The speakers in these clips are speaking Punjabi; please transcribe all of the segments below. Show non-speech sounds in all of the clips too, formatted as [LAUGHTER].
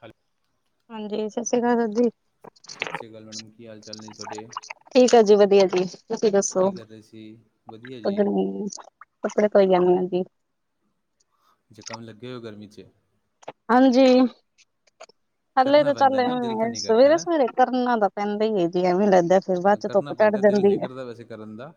ਖਾਲ [UNINTELLIGIBLE] ਹਾਂਜੀ, ਸਸਰੀਕਾਲ ਦਾਦੀ। ਸਾਸਰੀਅਕਾਲ ਮੈਡਮ ਕੀ ਹਾਲ ਚਾਲ ਨੇ ਥਾਡੇ ਠੀਕ ਆ ਜੀ ਵਧੀਆ ਜੀ ਤੁਸੀ ਦੱਸੋ? ਕਰ ਰਹੇ ਸੀ ਵਧੀਆ ਜੀ [UNINTELLIGIBLE] ਕੱਪੜੇ ਧੋਈ ਜਾਨੀ ਆਂ ਜੀ। ਜੇ ਕੰਮ ਲੱਗੇ ਓ ਗਰਮੀ ਚ। ਹਾਂਜੀ ਹਲੇੇ ਕਰਨਾ ਤੇ ਚੱਲ ਪੈਂਦਾ ਨਾ ਐਵੇਂ ਦਿਲ ਹੈ ਤਾਂ ਨਹੀਂ ਕਰਦਾ ਸਵੇਰੇ ਨਾ ਸਵੇਰੇ ਕਰਨਾ ਤਾਂ ਪੈਂਦਾ ਈ ਏ ਜੀ ਐਵੇਂ ਲੈਂਦਾ ਏ ਫਿਰ ਬਾਦ ਅ, ਚ ਕਰਨਾ ਧੁੱਪ ਚੜ ਪੈਂਦਾ ਏ ਦਿਲ ਨੀ ਕਰਦਾ ਵੈਸੇ ਕਰਨ ਦਾ।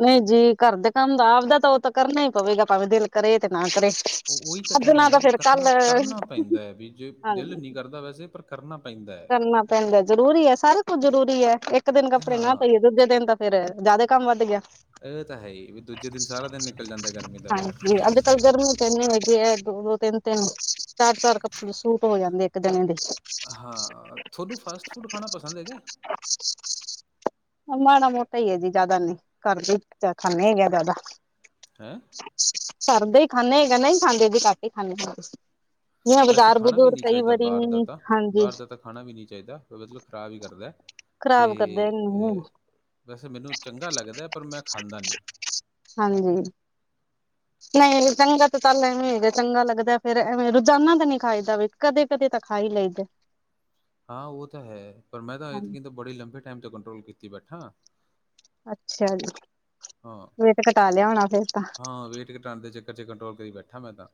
ਨਈ ਜੀ ਘਰ ਦੇ ਕੰਮ ਦਾ ਆਪਦਾ ਤਾਂ ਓ ਤਾਂ ਕਰਨਾ ਈ ਪਵੇਗਾ ਭਾਵੇਂ ਦਿਲ ਕਰੇ ਤੇ ਨਾ ਕਰੇ ਓ ਓਈ ਤਾਂ ਅੱਜ ਕੈ ਰੇਆ ਨਾ ਵੀ ਫਿਰ ਕੱਲ ਕਰਨਾ ਕਰਨਾ ਪੈਂਦਾ ਏ ਵੀ ਜੇ ਦਿਲ ਹਾਂਜੀ ਨੀ ਕਰਦਾ ਵੈਸੇ ਪਰ ਕਰਨਾ ਪੈਂਦਾ। ਕਰਨਾ ਪੈਂਦਾ ਜਰੂਰੀ ਐ ਸਾਰਾ ਕੁੱਝ ਜ਼ਰੂਰੀ ਐ ਇੱਕ ਦਿਨ ਹੈ ਕੱਪੜੇ ਨਾ ਹਾਂ ਧੋਈਏ ਦੂਜੇ ਦਿਨ ਤਾਂ ਫੇਰ, ਜਿਆਦਾ ਕੰਮ ਵੱਧ ਗਿਆ। ਇਹ ਤਾਂ ਹੈ ਹੀ ਵੀ ਦੂਜੇ ਦਿਨ ਸਾਰਾ ਦਿਨ ਨਿਕਲ ਜਾਂਦਾ ਗਰਮੀ ਦਾ ਫੇਰ। ਕਲ ਗਰਮੀ ਵੀ ਤੇ ਐਨੀ ਹੈਗੀ ਹੈ, ਦੋ- ਦੋ ਤਿੰਨ- ਤਿੰਨ ਚਾਰ- ਚਾਰ ਕੱਪੜੇ ਸੂਟ ਹੋ ਜਾਂਦੇ ਇੱਕ ਜਨੇ ਦੇ। ਹਾਂ ਤੁਹਾਨੂੰ ਫਾਸਟ ਫੂਡ ਖਾਣਾ ਪਸੰਦ ਹੈਗਾ। ਅ [UNINTELLIGIBLE] ਮਾੜਾ ਮੋਟਾ ਈ ਹੈ ਜੀ ਜਿਆਦਾ ਨੀ, ਘਰ ਦਾ ਈ ਖਾਨੇ ਹੈਗੇ ਆ ਜਿਆਦਾ। ਹੈਂ। ਘਰਦੇ ਹੀ ਖਾਂਦੇ ਹੈਗਾ, ਨਹੀਂ ਖਾਂਦੇ ਅ, ਘੱਟ ਹੀ ਖਾਂਨੇ ਹਾਂ। ਜਿਵੇਂ ਵੈਸੇ ਬਾਜ਼ਾਰ- ਖਾਣਾ ਵੀ ਬੂਜ਼ੁਰ ਨਹੀਂ ਕਈ ਚਾਹੀਦਾ ਵਾਰੀ, ਬਾਹਰ ਦਾ ਤਾਂ- ਹਾਂਜੀ ਬਾਹਰ ਦਾ ਤਾਂ ਖਾਣਾ ਵੀ ਨਹੀਂ ਚਾਹੀਦਾ ਮਤਲਬ ਖ਼ਰਾਬ ਹੀ ਕਰਦਾ। ਖ਼ਰਾਬ ਕਰਦੇ ਮੂੰਹ ਅਤੇ ਵੈਸੇ ਮੈਨੂੰ ਚੰਗਾ ਲੱਗਦਾ, ਪਰ ਮੈਂ ਖਾਂਦਾ ਨਹੀਂ। ਹਾਂਜੀ। [UNINTELLIGIBLE] ਨਹੀਂ ਚੰਗਾ ਤਾਂ ਚੱਲ ਐਵੇਂ ਹੈਗਾ, ਚੰਗਾ ਲੱਗਦਾ ਫੇਰ ਐਵੇਂ ਰੋਜ਼ਾਨਾ ਤਾਂ ਨੀ ਖਾਇਦਾ ਵੇ, ਕਦੇ ਕਦੇ ਤਾਂ ਖਾਾਈ ਲੈਂਦੇ। ਹਾਂ ਉਹ ਤਾਂ ਹੈ। ਪਰ ਮੈਂ ਤਾਂ ਇਥਕੀ ਤੇ ਬੜੀ ਲੰਬੇ ਟਾਈਮ ਤੋਂ ਕੰਟਰੋਲ ਕੀਤੀ ਬੈਠਾ। ਅੱਛਾ ਜੀ। ਹਾਂ, ਵੇਟ ਘਟਾ ਲਿਆ ਹੋਣਾ ਫੇਰ ਤਾਂ ਹਾਂ ਵੇਟ ਘਟਾਣ ਦੇ ਚੱਕਰ ਕੰਟਰੋਲ ਕਰੀ ਬੈਠਾ ਮੈਂ ਤਾਂ।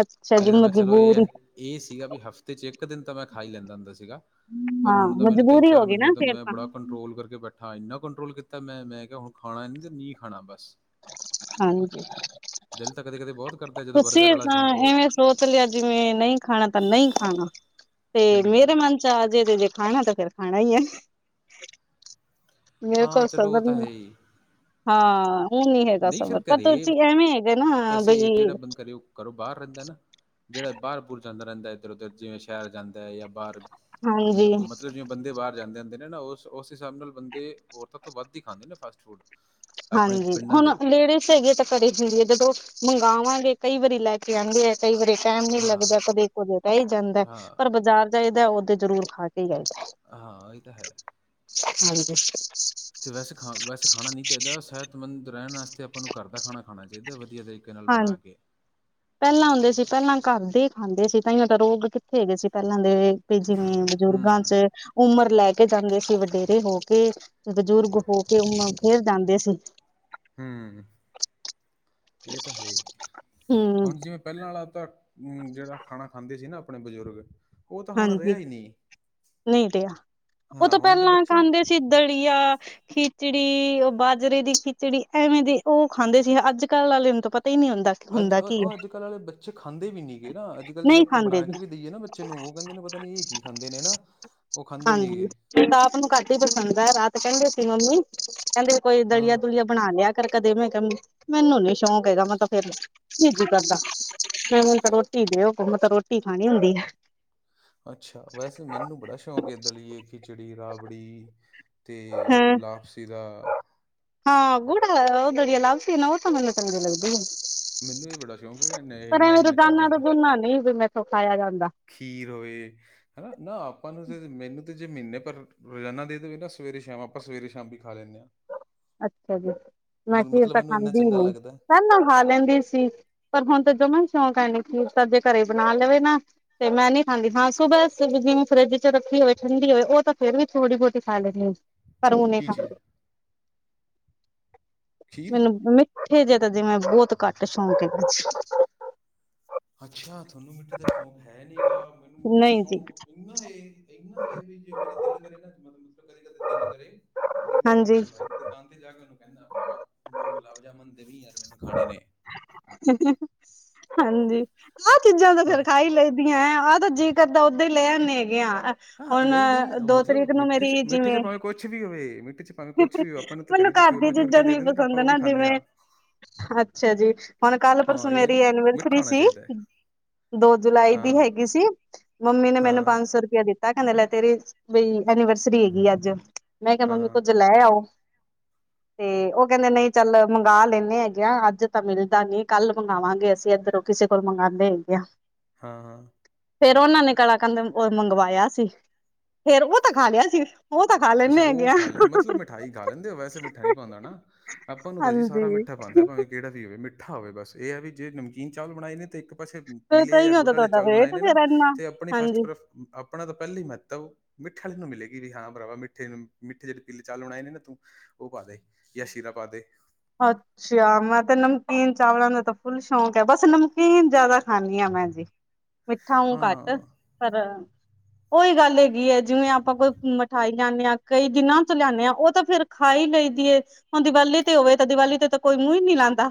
ਅੱਛਾ ਜੀ ਨਹੀਂ ਤਾਂ ਮੈਂ ਚਲੋ ਇਹ ਐ, ਮਜਬੂਰੀ ਇਹ ਸੀਗਾ ਵੀ ਹਫ਼ਤੇ ਚ ਇੱਕ ਦਿਨ ਤਾਂ ਮੈਂ ਖਾਈ ਲੈਂਦਾ ਹੁੰਦਾ ਸੀਗਾ। ਪਰ ਹਾਂ ਹੁਣ ਤਾਂ ਮੈਨੂੰ ਤਿੰਨ- ਮਜਬੂਰੀ ਹੋ ਚਾਰ ਗਈ ਮਹੀਨੇ ਨਾ ਤੋਂ ਫੇਰ ਮੈਂ ਤਾਂ ਬੜਾ ਕੰਟਰੋਲ ਕਰਕੇ ਬੈਠਾ। ਹਾ ਇੰਨਾ ਕੰਟਰੋਲ ਕੀਤਾ ਮੈਂ, ਮੈਂ ਕਿਹਾ ਹੁਣ ਖਾਣਾ ਤੇ ਨਹੀਂ ਖਾਣਾ ਬਸ। ਹਾਂਜੀ। ਦਿਲ ਤਾਂ ਕਦੇ- ਕਦੇ ਬਹੁਤ ਕਰਦਾ ਜਦੋਂ ਤੁਸੀਂ ਬਰਗਰ ਵਾਲਾ ਤਾਂ ਉਹ ਐਵੇਂ ਸੋਚ ਲਿਆ ਜਿਵੇਂ ਨਹੀਂ ਖਾਣਾ ਤਾਂ ਨਹੀਂ ਖਾਣਾ, ਤੇ ਹੂੰ, ਮੇਰੇ ਮਨ ਚ- ਆ ਜੇ ਤੇ ਜੇ ਖਾਣਾ ਤਾਂ ਫੇਰ ਖਾਣਾ ਈ ਹੈ। ਮੇਰੇ ਹਾਂ ਕੋਲ ਚਲੋ ਸਬਰ ਉਹ ਤਾਂ ਨੀ, ਹੈ ਹੀ। ਹਾਂ ਉਹ ਨੀ ਹੈਗਾ, ਸਬਰ ਪ ਤੁਸੀ ਐਵੇਂ। ਹੈਗੇ ਨਾ ਵੈਸੇਏ ਬਈ ਜਹੜਾ ਬੰਦ ਕਰਿਓ [UNINTELLIGIBLE] ਘਰੋ ਬਾਹਰ ਰਹਿੰਦਾ ਨਾ, ਜਿਹੜਾ ਬਾਹਰ ਬੂਰ ਜਾਂਦਾ ਰਹਿੰਦਾ ਇੱਧਰ- ਉੱਧਰ ਜਿਵੇਂ ਸ਼ਹਿਰ ਜਾਂਦਾ ਜਾਂ ਬਾਹਰ। ਮਤਲ ਹਾਂਜੀ ਮਤਲਬ ਜਿਵੇਂ ਬੰਦੇ ਬਾਹਰ ਜਾਂਦੇ ਹੁੰਦੇ ਨੇ ਨਾ ਉਸ- ਉਸ ਹਿਸਾਬ ਨਾਲ ਬੰ- ਔਰਤਾਂ ਤੋਂ ਵੱਧ ਹੀ ਖਾਂਦੇ ਨੇ ਫਾਸਟ ਫੂਡ। ਆਪਣੇ ਹਾਂਜੀ ਪਿੰਡਾਂ ਦੇ ਹੁਣ- ਲੇੜਜ਼ ਹੈਗੇ ਤਾਂ ਘਰੇ ਹੁੰਦੀ ਹੈ, ਜਦੋਂ ਮੰਗਾਵਾਂਗੇ ਕਈ ਵਾਰੀ ਲੈ ਕੇ ਆਉਂਦੇ ਹੈ ਕਈ ਵਾਰੀ- ਟਾਈਮ ਨਹੀਂ ਹਾਂ, ਲੱਗਦਾ ਕਦੇ ਕੁਦੇ ਰਹਿ ਜਾਂਦਾ ਹਾਂ, ਪਰ ਬਾਜ਼ਾਰ ਜਾਈਦਾ ਉਦੋ ਜ਼ਰੂਰ ਖਾ ਕੇ ਹੀ ਆਈਦਾ। ਹਾਂ ਇਹੀ ਤਾਂ ਹੈ, ਹਾਂਜੀ ਤੇ ਵੈਸੇ ਖਾ ਵੈਸੇ ਖਾਣਾ ਨਹੀਂ। ਜਿਦਾ ਸਿਹਤਮੰਦ ਰਹਿ ਵਾਸਤੇ ਆਪਾਂ ਨੂੰ ਘਰ ਦਾ ਖਾਣਾ ਖਾਨਾ ਚਾਹੀਦਾ ਵਧੀਆ ਤਰੀਕੇ ਨਾਲ। ਬਣਾ ਹਾਂਜੀ। ਕੇ। ਪਹਿਲਾਂ ਹੁੰਦੇ ਸੀ ਪਹਿਲਾਂ ਕਾਰਦੇ ਈ ਖਾਂਦੇ ਸੀ, ਤਾਇਓ ਰੋਗ ਕਿੱਥੇ ਹੈਗੇ ਸੀ ਪਹਿਲਾਂ ਦੇ। ਤੇ ਜਿਵੇਂ ਬਜ਼ੁਰਗਾਂ ਚ ਹੂੰ, ਉਮਰ ਲੈ ਕੇ ਜਾਂਦੇ ਸੀ, ਵਧੇਰੇ ਹੋ ਕੇ ਬਜ਼ੁਰਗ ਹੋ ਕੇ ਉਮਰ ਫੇਰ ਜਾਂਦੇ ਸੀ। ਹੂੰ-ਹੂੰ ਇਹ ਤਾਂ ਹੈ ਹੀ, ਹੂੰ ਹੁਣ ਜਿਵੇਂ ਪਹਿਲਾਂ ਵਾਲਾ ਤਾਂ ਹੂੰ ਜਿਹੜਾ ਖਾਣਾ ਖਾਂਦੇ ਸੀ ਨਾ ਆਪਣੇ ਬਜ਼ੁਰਗ ਉਹ ਤਾਂ ਹੁਣ ਹਾਂਜੀ ਰਿਹਾ ਹੀ ਨਹੀਂ ਨਈ ਰਿਹਾ ਉਹ ਹਾਂ ਤੋਂ ਹੁਣ ਦੇ ਪਹਿਲਾਂ ਬੱਚੇ ਕਹਦੇ ਸੀ ਦਲੀਆ, ਖਿਚੜੀ ਉਹ ਬਾਜਰੇ ਦੀ ਖਿਚੜੀ ਐਵੇਂ ਦੀ ਉਹ ਖਾਂਦੇ ਸੀ ਅੱਜ ਕੱਲ ਆਲੇ ਨੂੰ ਤਾਂ ਪਤਾ ਹੀ ਨਈ ਹੁੰਦਾ। ਅੱਜ ਹੁੰਦਾ ਕੀ ਹੈ ਉਹ ਅੱਜ ਕੱਲ ਵਾਲੇ ਬੱਚੇ ਖਾਂਦੇ ਵੀ ਨੀ ਹੈਗੇ ਨਾ ਅੱਜ ਕੱਲ ਜੇ ਨਹੀਂ ਆਪਾਂ ਖਾਂਦੇ ਬਣਾ ਜੀ ਕੇ ਵੀ ਦੇਈਏ ਨਾ ਬੱਚੇ ਨੂੰ ਉਹ। ਕਹਿੰਦੇ ਨੇ ਪਤਾ ਨੀ ਇਹ ਕੀ ਖਾਂਦੇ ਨੇ ਨਾ, ਉਹ ਖਾਂਦੇ ਨੀਗੇ। ਪ੍ਰਤਾਪ ਨੂੰ ਘੱਟ ਈ ਪਸੰਦ ਐ, ਰਾਤ ਕਹਿੰਦੇ ਸੀ ਮੰਮੀ, ਕਹਿੰਦੇ ਕੋਈ ਦਲੀਆ ਹਾਂ ਦੁਲੀਆ ਬਣਾ ਲਿਆ ਕਰ ਕਦੇ ਮੈ ਖਿਆ ਮੈਨੂੰ ਨੀ ਸ਼ੌਕ ਹੈਗਾ ਮੈਂ ਤਾਂ ਫੇਰ ਨਈ ਜੀ ਕਰਦਾ ਮੈਨੂੰ ਤੇ ਹੁਣ ਤਾਂ ਰੋਟੀ ਦਿਓ, ਮੈਂ ਤਾਂ ਰੋਟੀ ਖਾਣੀ ਹੁੰਦੀ ਆ ਅੱਛਾ, ਵੈਸੇ ਮੈਨੂੰ ਬੜਾ ਸ਼ੌਂਕ ਐ ਦਲੀਏ, ਖਿਚੜੀ, ਰਾਬੜੀ ਤੇ ਹਾਂ ਲਾਪਸੀ ਦਾ ਹਾਂ ਗੂੜਾ ਉਹ ਦੜੀਆਂ ਲਾਪਸੀ ਨਾ ਉਹ ਤਾਂ ਮੈਨੂੰ ਚੰਗੀ ਲੱਗ ਦੀਏ ਮੈਨੂੰ ਵੀ ਬੜਾ ਕਿਉਂਕਿ ਨੇ ਪਰ ਐਵੇਂ ਰੋਜ਼ਾਨਾ ਦੁੱਧ ਨਾਲ ਨਈ ਬਈ ਮੇਰੇ ਤੋਂ ਖਾਇਆ ਜਾਂਦਾ ਖੀਰ ਹੋਏ ਹੈ ਨਾ ਆਪਾਂ ਨੂੰ ਤਾਂ ਮੈਨੂੰ ਤਾਂ ਜੇ ਮਹੀਨੇ ਪਰ ਰੋਜ਼ਾਨਾ ਦੇ ਦੇਵੇ ਨਾ ਸਵੇਰੇ ਸ਼ਾਮ ਆਪਾਂ ਸਵੇਰੇ ਸ਼ਾਮ ਵੀ ਖਾ ਲੈਂਨੇ ਆ [INAUDIBLE] ਅੱਛਾ ਜੀ, ਮੈਂ ਮੈਨੂੰ ਖੀਰ ਮਤਲਬ ਤਾਂ ਮੈਨੂੰ ਇੰਨਾ ਖਾਂਦੀ ਚੰਗਾ ਨਈ ਲੱਗਦਾ ਪਹਿਲਾਂ ਖਾ ਲੈਂਦੀ ਸੀ ਪਰ ਹੁਣ ਤਾਂ ਜਵਾ ਸ਼ੌਂਕ ਹੈ ਨੀ ਖੀਰ ਦਾ, ਜੇ ਘਰੇ ਹੀ ਬਣਾ ਲਵੇ ਨਾ ਤੇ ਮੈਂ ਨੀ ਖਾਂਦੀ ਹਾਂ ਸੁਬਹ ਜਿਵੇਂ ਫਰਿੱਜ ਚ ਰੱਖੀ ਹੋਵੇ ਠੰਡੀ ਹੋਵੇ ਉਹ ਤਾਂ ਫੇਰ ਵੀ ਥੋੜੀ ਬਹੁਤੀ ਖਾ ਲੈਨੀ ਆ ਪਰ ਊ ਨੀ ਕੀ ਚੀਜ਼ ਖਾਦੀ ਖੀਰ ਮੈਨੂੰ ਮਿੱਠੇ ਜਿਹੇ ਤਾਂ ਜੇਵੇਂ ਬਹੁਤ ਘੱਟ ਸ਼ੌਂਕ ਐ ਅੱਛਾ ਥੋਨੂੰ ਮਿੱਠੇ ਦਾ ਸ਼ੌਕ ਹੈ ਨੀ ਗਾ, ਮੈਨੂੰ ਮਿੱਠੇ ਦਾ ਨਹੀਂ ਜੀ ਸ਼ੌਕ ਨਾ ਇਨਾ ਇਹ ਇਨਾ ਇਹ ਵੀ ਜੇ ਮੇਰਾ ਦਿਲ ਕਰੇ ਨਾ ਮਤਲਬ ਕਦੇ-ਕਦੇ ਦਿਲ ਕਰੇ ਤੇ ਮੈਂ ਤਾਂ ਹਾਂਜੀ ਹਲਵਾਈ ਦਿ ਦੁਕਾਨ ਤੇ ਜਾ ਕੇ ਉਹਨੂੰ ਕਹਿੰਦਾ, ਭਰਾਵਾ ਦੋ ਗੁਲਾਬ ਜਾਮੁਨ ਦੇਵੀ ਯਾਰ ਮੈਨੂੰ ਖਾਣੇ ਨੇ ਹਾਂਜੀ, ਆਹ ਚੀਜ਼ਾਂ ਤਾਂ ਹਾਂ ਫੇਰ ਖਾਈ ਲਈ ਦੀਆ, ਆਹ ਤਾਂ ਜੀ ਕਰਦਾ ਤਾਂ ਓਦਾਂ ਹੀ ਲੈ ਆਨੇ ਹੈਗੇ ਆ ਹਾਂ, ਹੁਣ ਨਹੀਂ ਨਹੀਂ ਦੋ ਤਰੀਕ ਮਤਲਬ ਨੂੰ ਮਿੱਠੇ ਚ ਮੇਰੀ ਮਿੱਠੇ ਚ ਜਿਵੇਂ ਭਾਵੇਂ ਕੁਛ ਵੀ ਹੋਵੇ ਮਿੱਠੇ ਚ ਭਾਵੇਂ ਕੁਛ ਵੀ ਹੋਵੇ ਆਪਾਂ ਨੂੰ ਤਾਂ ਮੈਨੂੰ ਘਰੇ ਚ ਘਰ ਚੂਰਮਾ ਦੀਆਂ ਚੂਰ ਕੇ ਚੀਜ਼ਾਂ ਦੇ ਨਈ ਦਿੰਦੇ ਪਸੰਦ ਆਪਾਂ ਉਹ ਵੀ ਨਾ ਖਾਂਦੇ ਆ ਜਿਵੇਂ ਅੱਛਾ ਜੀ, ਹੁਣ ਕੱਲ ਹਾਂ ਪਰਸੋਂ ਇਹ ਹੈ ਵੀ ਮੇਰੀ ਮਿੱਠਾ ਐਨੀਵਰਸਰੀ ਹੋਣਾ ਸੀ ਚਾਹੀਦਾ ਹੈ ਦੋ ਜੁਲਾਈ ਦੀ ਹਾਂ ਹੈਗੀ ਸੀ, ਮੰਮੀ ਨੇ ਮੈਨੂੰ ਹਾਂ ਪੰਜ ਸੌ ਰੁਪਇਆ ਦਿੱਤਾ ਕਹਿੰਦੇ ਲੈ ਤੇਰੀ ਬਈ ਐਨੀਵਰਸਰੀ ਹੈਗੀ ਅੱਜ, ਮੈਂ ਕਿਹਾ ਹਾਂ ਮੰਮੀ ਹਾਂ ਕੁਝ ਲੈ ਆਓ, ਤੇ ਉਹ ਕਹਿੰਦੇ ਨਈ ਚੱਲ ਮੰਗਾ ਲੈਂਨੇ ਹੈਗੇ ਅੱਜ ਤਾਂ ਮਿਲਦਾ ਨੀ ਕੱਲ ਮੰਗਵਾਂਗੇ ਅਸੀਂ ਇੱਧਰੋਂ ਕਿਸੇ ਕੋਲੋ ਮੰਗਾਦੇ ਹੈਗੇ ਆ ਹਾਂ-ਹਾਂ ਫੇਰ ਉਹਨਾਂ ਨੇ ਕਲਾਕੰਧ ਮੰਗਵਾਇਆ ਸੀ, ਫੇਰ ਉਹ ਤਾਂ ਖਾ ਲਿਆ ਸੀ। ਉਹ ਤਾਂ ਖਾ ਅੱਛਾ ਲੈਂਦੇ ਹੈਗੇ ਉਹ ਆ ਖਾ ਲੈ, ਮਤਲਬ ਮਿਠਾਈ ਖਾ ਲੈਂਦੇ ਹੋ, ਵੈਸੇ ਮਿੱਠਾ ਨੀ ਪਾਂਦਾ ਨਾ, ਆਪਾਂ ਨੂੰ ਤਾਂ ਜੀ ਸਾਰਾ ਹਾਂਜੀ ਮਿੱਠਾ ਬਣਦਾ ਭਾਵੇ ਕਿਹੜਾ ਵੀ ਹੋਵੇ ਮਿੱਠਾ ਹੋਵੇ ਬਸ ਇਹ ਹੈ ਵੀ ਜੇ ਨਮਕੀਨ ਚਾਵਲ ਬਣਾਏ ਨੇ ਤੇ ਇੱਕ ਪਾਸੇ ਫਿਰ ਪੀਲੇ ਜਾਂ ਤਾਂਹੀਓ ਗੁੱੜ ਤਾਂ ਵਾਲੇ ਤੁਹਾਡਾ ਚਾਵਲ ਬਣਾਏ ਵੇਟ ਨੇ ਨਾ ਫੇਰ ਇੰਨਾ ਤੇ ਆਪਣੀ ਫਸਟ ਹਾਂਜੀ ਆਪਣਾ ਤਾਂ ਪਹਿਲੀ ਹੀ ਮਹੱਤਵ ਮਿੱਠੇ ਵਾਲੀ ਨੂੰ ਮਿਲੇਗੀ ਵੀ ਹਾਂ ਭਰਾਵਾ ਮੀ ਮਿੱਠੇ- ਮਿੱਠੇ ਜਿਹੜੇ ਪੀਲੇ ਚਾਲ ਬਣਾਏ ਨੇ ਨਾ ਤੂੰ, ਉਹ ਪਾ ਦੇ ਜਾਂ ਸ਼ੀਰਾ ਪਾ ਦੇ ਅੱਛਾ ਅੱਛਾ ਮੈਂ ਤੇ ਨਮਕੀਨ ਚਾਵਲਾਂ ਦਾ ਤਾਂ ਫੁੱਲ ਸ਼ੌਕ ਹੈ ਬਸ ਨਮਕੀਨ ਜਿਆਦਾ ਖਾਂਨੀ ਆ ਮੈਂ ਜੀ, ਮਿੱਠਾ ਊ ਘੱਟ ਹਾਂ ਪਰ ਉਹੀ ਗੱਲ ਹੈਗੀ ਐ, ਜਿਵੇਂ ਆਪਾਂ ਕੋਈ ਮਿਠਾਈ, ਲਿਆਨੇ ਹਾਂ, ਕਈ ਦਿਨਾਂ ਤੋਂ ਲਿਆਨੇ ਹਾਂ, ਉਹ ਤਾਂ ਫੇਰ ਖਾਈ ਲਈ ਦੀਏ, ਹੁਣ ਦੀਵਾਲੀ ਤੇ ਹੋਵੇ ਦੀਵਾਲੀ ਤੇ ਕੋਈ ਮੂੰਹ ਈ ਨੀ ਲਾਂਦਾ।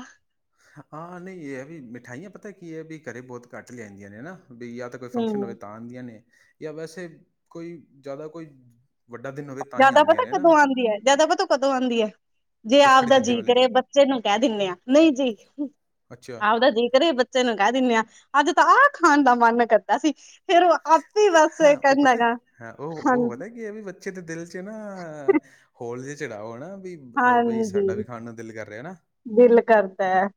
ਹਾਂ-ਹਾਂ, ਨਹੀਂ ਇਹ ਵੀ ਮਿਠਾਈਆਂ ਪਤਾ ਕੀ ਐ ਵੀ ਘਰੇ ਬਹੁਤ ਘੱਟ ਲਿਆਂਦੀਆਂ ਨੇ ਹਨਾ ਵੀ ਜਾਂ ਤਾਂ, ਕੋਈ ਫੰਕਸ਼ਨ ਹੋਏ ਹੂੰ ਤਾਂ ਆਂਦੀਆਂ ਨੇ, ਯਾ ਵੈਸੇ, ਕੋਈ ਜਾਦਾ ਕੋਈ ਵੱਡਾ ਦਿਨ ਹੋਏ ਜਾਦਾ ਪਤਾ ਕਦੋਂ ਆਂਦੀ ਐ, ਜਾਦਾ ਪਤਾ ਕਦੋਂ ਆਂਦੀ ਐ, ਜੇ ਰੱਖੜੀ ਆਪਦਾ ਤੇ ਜੀ ਦੀਵਾਲੀ ਤੇ ਕਰੇ ਬੱਚੇ ਨੂੰ ਕੈ ਦੇਨੇ ਆਂ, ਨਹੀਂ ਜੀ, ਅੱਛਾ ਆਪਦਾ ਜੀ ਕਰੇ ਬੱਚੇ ਚੇ ਨੂੰ ਕੈ ਦੇਨੇ ਆਂ, ਅੱਜ ਤਾਂ ਆਹ ਖਾਨ ਦਾ ਮਾੰਨ ਕਰਦਾ ਸੀ। ਫੇਰ ਓ ਆਪੇ ਈ ਬਾੱਸ ਕੈਂਦਾ ਹੈਗਾਂ, ਹਾਂਜੀ। ਏਵੀ ਬੱਚੇ ਦੇ ਦਿਲ ਚ ਨਾ, ਹੋਲ ਜੇ ਚੜਾਓ ਹਨਾ ਵੀ। ਬ ਬਈ ਹਾਂਜੀ ਸਾਡਾ ਵੀ ਖਾਨ ਨੂੰ ਦਿਲ ਕਾਰ ਰੇਐ, ਹਨਾ। ਦਿਲ ਕਰਦੈ,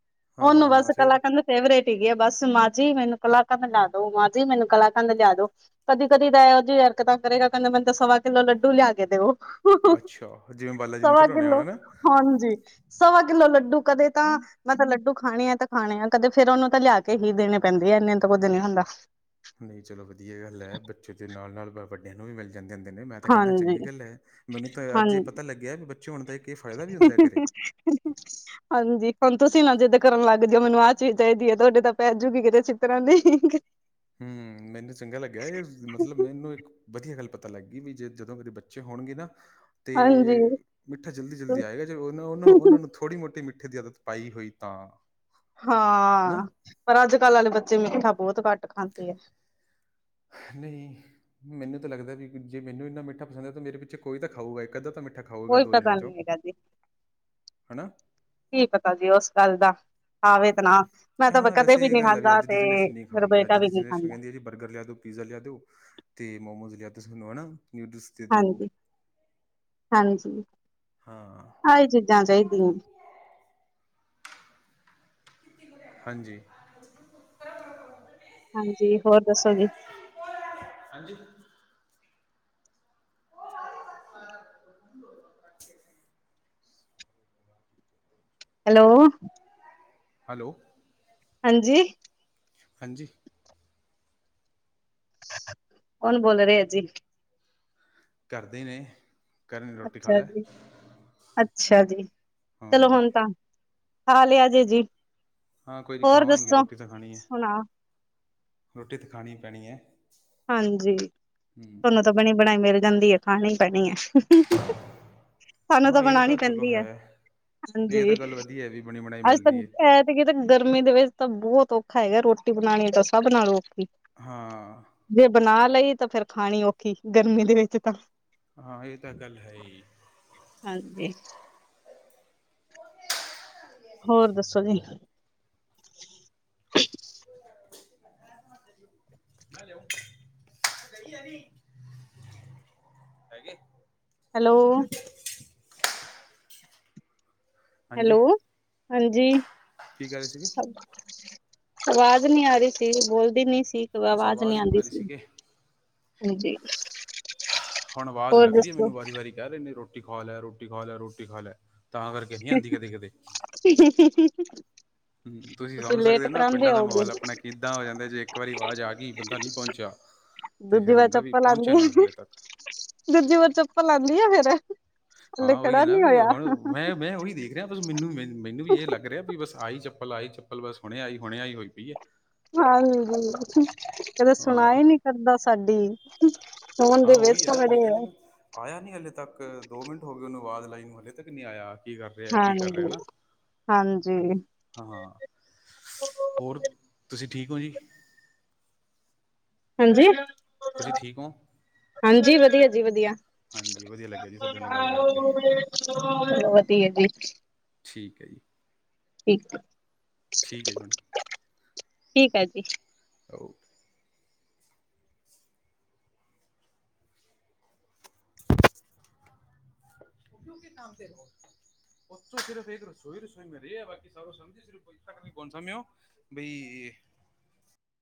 ਓਨੂੰ ਬਾੱਸ ਫਿਰ ਕਲਾਕਂਦ ਫੇਵਰੇਟ ਹੀਗੀ ਆ ਬਾੱਸ ਮਾਜੀ ਮੈਨੂੰ ਕਲਾਕੰਦ ਲਾ ਦੋ, ਮਾਜੀ ਮੈਨੂੰ ਕਲਾਕੰਦ ਲੇਆ ਦੋ। ਕਦੀ-ਕਦੀ ਤਾ ਐਓ ਜੀ ਹਰਕਤਾਂ ਕਰੇਗਾ, ਕੈਂਦਾ ਮੈਂਨ ਤਾ ਸਵਾ ਕਿੱਲੋ ਲੱਡੂ ਲੇਆ ਕੇ ਦੇਓ। ਅੱਛਾ, ਜਿਵੇਂ ਬਾਲਾ ਜੀ ਨੂ ਚਡਾਉਨੇ ਹੋਨ ਨਾ। ਹਾਂਜੀ। ਸਵਾ ਕਿੱਲੋ ਲੱਡੂ ਕਦੇ ਤਾਂ ਮੈਂ ਤਾਂ ਲੱਡੂ ਖਾਣੇ ਐ ਤੇ ਖਾਣੇ ਐ, ਕਦੇ ਫੇਰ ਓਨੂੰ ਤੇ ਲੇਆ ਕੇ ਹੀ ਦੇਨੇ ਪੈਂਦੇ ਐ, ਏਨੇ ਤਾ ਕੁੱਝ ਨੀ ਹੁੰਦਾ। ਨਈ ਚਲੋ ਵਦੀਆ ਗਾੱਲ ਐ, ਬੱਚੇ ਦੇ ਨਾਲ-ਨਾਲ ਵੱਡੇਆਂ ਨੂੰ ਵੀ ਮਿਲ ਜਾਂਦੇ ਹੁੰਦੇ ਨੇ, ਮੈਂ ਤਾਂ ਕੈਨਾ ਹਾਂਜੀ ਚੰਗੀ ਗੱਲ ਐ। ਮੈਨੂੰ ਤਾਂ ਅੱਜ ਏ ਹਾਂਜੀ। ਪਤਾ ਲੱਗੇਐ, ਵੀ ਬੱਚੇ ਹੋਨ ਦਾ ਏਕ ਏ ਫਾਏਦਾ ਵੀ ਹੁੰਦੈ ਘਰੇ। [INAUDIBLE] ਹਾਂਜੀ ਹੁਨ ਤੂਸੀ ਨਾ ਜਿੱਦ ਕਰਨ ਲਾੱਗ ਜੇਓ, ਮੈਨੂੰ ਆ ਚੀਜ ਚਾਈਦੀ ਐ, ਤੂਆਡੇ ਤਾਂ ਪੈ ਜੂਗੀ ਕਿਤੇ ਚੂਤਰਾਂ ਲਈ। ਹੂੰ ਮੈਨੂੰ ਚੰਗਾ ਲੱਗੇਆ ਏ, ਮਤਲਬ ਮੈਨੂੰ ਇੱਕ ਵਦੀਆ ਗਾੱਲ ਪਤਾ ਲਾੱਗ ਗੀ ਵੀ ਜੇ ਜਦੋਂ ਕਦੇਂ ਬੱਚੇ ਹੋਣਗੇ ਨਾ ਤੇ ਹਾਂਜੀ। ਮਿੱਠਾ ਜਲਦੀ-ਜਲਦੀ ਆਏਗਾ, ਜੇ ਓਨ, ਓਨ, ਓਨਾਂ ਨੂੰ ਥੂ ਥੋੜੀ ਮੋਟੀ ਮਿੱਠੇ ਦੀ ਆਦਤ ਪਾਈ ਹੋਈ ਤਾਂ। ਹਨਾ ਹਾਂ, ਪਰ ਆੱਜ-ਕੱਲ ਆਲੇ ਬੱਚੇ ਮਿੱਠਾ ਬੋਤ ਘਾੱਟ ਖਾਂਦੇ ਐ। ਨਹੀ ਮੈਨੂੰ ਤਾ ਲੱਗਦੈ ਵੀ ਜੇ ਮੈਨੂੰ ਇੰਨਾ ਮਿੱਠਾ ਪਸੰਦ ਐ, ਤਾ ਮੇਰੇ ਪਿੱਛੇ ਕੋਈ ਤਾਂ ਖਾਊਗਾ, ਇੱਕ-ਅੱਧਾ ਤਾਂ ਮਿੱਟ ਮਿੱਠਾ ਖਾਉਗਾ ਕੋਈ ਦੋ ਜਣੇਆਂ ਪਤਾ ਚੋਂ, ਨੀ ਹੈਗਾ ਜੀ ਹਣਾ। ਕੀ ਪਤਾ ਜੀ ਓਸ ਗਾੱਲ ਦਾ, ਖਾਵੇ ਤੇ ਨਾ। ਮੈਂ ਤਾਂ ਹਾਂ ਕਦੇ ਵੈਸੇ ਏ ਨੀ ਗੱਲ ਐ ਵੀ ਖਾਂਦਾ ਆੱਜ ਤੇ ਦੀ ਜਨਰੇਸ਼ਨ ਨਹੀਂ ਮੇਰਾ ਖਾਂਦੀ, ਬੇਟਾ ਆੱਜ ਵੀ ਦੀ ਨੀ ਜਨਰੇਸ਼ਨ ਖਾਂਦਾ ਕੈਂਦੀ ਏ ਜੀ, ਬਰਗਰ ਲੇਆ ਦੋ ਪੀਜ਼ਾ ਲੇਆ ਦੋ, ਤੇ ਮੋਮੋਜ਼ ਲੇਆ ਦੋ ਸਾਨੂੰ ਹਨਾ, ਨਿਊਡਲਸ ਦੇ ਦਿਓ ਹਾਂਜੀ-ਹਾਂਜੀ ਹਾਂ ਐ ਚੀਜਾਂ ਚਾਈਦੀਆਂ ਨੇ। ਹਾਂਜੀ। ਹਾਂਜੀ, ਹੋਰ ਦੱਸੋਗੇ [INAUDIBLE] [INAUDIBLE] ਹੈਲੋ। ਹੈਲੋ। ਹਾਂਜੀ। ਹਾਂਜੀ। ਕੌਨ ਬੋਲ ਰੇ ਓ ਜੀ? ਘਾੱਰ ਦੇ ਨੇ। ਕਰਨ ਰੋਟੀ ਖਾ ਅੱਛਾ ਲੈ ਜੀ, ਅੱਛਾ ਜੀ ਚਲੋ ਹਾਂ ਹੁਨ ਤਾਂ ਖਾ ਲੇਆ ਜੇ ਜੀ। ਹਾਂ ਕੋਈ ਨੀ ਹੋਰ ਖਾਵਾਂਗੇ, ਦੱਸੋ ਰੋਟੀ ਤਾਂ ਖਾਨੀ ਏ, ਸੁਣਾ ਰੋਟੀ ਤੇ ਖਾਨੀ ਪੈਣੀ ਏ। ਹਾਂਜੀ, ਤੂਆਨੂੰ ਤਾ ਬਨੀ ਬਣਾਈ ਮਿਲ ਜਾਂਦੀ ਏ, ਖਾਣੀ ਪੈਣੀ ਏ। [INAUDIBLE] ਹਾਂ ਏ ਤਾਂ ਚਲੋ ਹੈ, ਏ ਤਾ ਹਾਂਜੀ। ਗੱਲ ਵਦੀਆ ਐ ਵੀ ਬਣੀ ਬਣਾਈ ਮਿਲਦੀ ਏ। ਐਥੇ ਕਿਤੇ ਗਰਮੀ ਦੇ ਵਿੱਚ, ਤਾਂ ਬਹੁਤ ਔਖਾ ਹੈਗਾ, ਰੋਟੀ ਬਣਾਉਣੀ ਤਾਂ ਸਭ ਨਾਲ ਔਖੀ। ਹਾਂ। ਜੇ ਬਣਾ ਲਈ ਤਾਂ, ਫੇਰ ਖਾਣੀ ਔਖੀ ਗਰਮੀ ਦੇ ਵਿੱਚ ਤਾਂ। ਹਾਂ, ਇਹ ਤਾਂ ਗੱਲ ਹੈ ਹੀ। ਹਾਂਜੀ। ਹੋਰ ਦੱਸੋ ਜੀ? ਹ ਹ [INAUDIBLE] ਹੈਂ ਲਊ, ਗਈ ਐਨੀ ਹੈਗੇ। ਹੈਲੋ। ਹਾਂਜੀ ਹੈਲੋ, ਹਾਂਜੀ। ਕੀ ਕਹਿ ਰਹੇ ਸੀਗੇ? ਆਵਾਜ਼ ਨਹੀਂ ਆ ਰਹੀ ਸੀ, ਬੋਲਦੀ ਨੀ ਸੀ ਅੱਛਾ ਆਵਾਜ਼ ਨਹੀਂ ਆਉਂਦੀ ਆ ਰਹੀ ਸੀ। ਸੀਗੇ ਹਾਂਜੀ। ਹੁਣ ਆਵਾਜ਼ ਹੋਰ ਲੱਗਣੀ ਦੱਸੋ ਮੈਨੂੰ, ਵਾਰੀ-ਵਾਰੀ ਕਹਿ ਰਿਹੇ ਨੇ ਰੋਟੀ ਖਾ ਲੈ-ਰੋਟੀ ਖਾ ਲੈ, ਰੋਟੀ ਖਾ ਲੈ। ਤਾਂ ਕਰਕੇ, ਨਈ ਹੀ ਆਦੀ ਕਦੇ- ਕਦੇ। [INAUDIBLE] ਹੂੰ ਤੁਸੀਂ ਸਮਝ ਸਕਦੇ ਲੇਟ ਹੋ ਨਾ, ਪਿੰਡਾਂ ਕਰਾਉਂਦੇ ਦਾ ਹੋਗੇ ਮਾਹੌਲ ਆਪਣਾ ਕਿੱਦਾਂ ਹੋ ਜਾਂਦਾ ਏ, ਜੇ ਇੱਕ ਵਾਰੀ ਆਵਾਜ਼ ਆ ਗਈ ਬੰਦਾ ਨਹੀਂ, ਪਹੁੰਚਿਆ। ਤੇ ਫੇਰ ਹੁੰਦਾ ਵੀ, ਪਹੁੰਚਿਆ ਨੀ ਹਲੇ ਤੱਕ। ਦੂਜੀੇ ਵਾਰੀ, ਚੱਪਲ ਆਂਦੀ ਆ ਫੇਰ, ਹਲੇ ਹਾਂ ਉਹੀ ਖੜਾ ਹੈ ਨਾ ਨੀ ਵੀ ਹੋਇਆ ਹੁਣ ਹੋਏ ਮੈਂ ਉਹੀ ਦੇਖ ਰਿਹਾ ਬਸ, ਮੈਨੂੰ - ਮੈਨੂੰ ਵੀ ਇਹ ਲੱਗ ਰਿਹਾ ਵੀ ਬਸ, ਆਈ ਚੱਪਲ ਆਈ ਚ ਪਲ ਬਸ, ਹੁਣੇ ਆਈ -ਹੁਣੇ ਆਈ ਹੋਈ ਪਈ ਹੈ। ਹਾਂ ਨ ਜੀ ਕਦੇ ਸਣਾਈ ਨਈ ਹਾਂ-ਹਾਂ ਕਰਦਾ ਸਾਡੀ, ਫੋਨ ਦੇ ਵਿੱਚ ਉਹੀ ਹੈ ਨਾ ਵੀ ਵੜੇ ਕਹਿੰਦੇ ਆ। ਨਾ ਆਇਆ ਨਹੀਂ ਹਾਲੇ ਤੱਕ, ਦੋ ਮਿੰਟ ਹੋ ਗਏ ਉਹਨੂੰ ਆਵਾਜ਼ ਲਾਈ ਨੁੰ, ਹਲੇੇ ਤੱਕ ਨਹੀਂ ਆਇਆ। ਕੀ ਕਰ ਰਿਹਾ-ਕੀ ਕਰ ਰਿਹਾ ਹਾਂਜੀ। ਹਨਾ? ਹਾਂਜੀ। ਹਾਂ-ਹਾ ਹੋਰ ਤੁਸੀਂ ਠੀਕ, ਹੋ ਜੀ? ਹਾਂਜੀ? ਤੁਸੀਂ ਠੀਕ ਹੋ? ਹਾਂਜੀ ਵਧੀਆ ਜੀ ਵਧੀਆ। ਹਾਂਜੀ ਵਧੀਆ ਲੱਗਿਆ ਜੀ ਤੁਹਾਡੇ ਨਾਲ ਗੱਲ ਕਰਕੇ ਚਲੋ ਵਧੀਆ ਜੀ। ਠੀਕ ਹੈ ਜੀ। ਠੀਕ ਹੈ, ਠੀਕ ਹੈ ਜੀ ਮੈਡਮ ਠੀਕ ਆ ਜੀ। ਆੋ [INAUDIBLE] ਕਿਓ ਕਿ ਕਾਮ ਪੇ ਹੋ? ਔਥੋ ਸਿਰਫ ਇੱਕ, ਰਸੋਈ -ਰਸੋਈ ਮਿਲ ਰਹੀ ਆ ਬਾਕੀ ਸਭ ਸਝ [UNINTELLIGIBLE] ਬਈ-